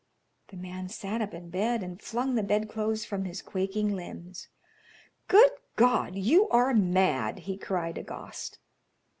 The man sat up in bed and flung the bedclothes from his quaking limbs. "Good God, you are mad!" he cried, aghast.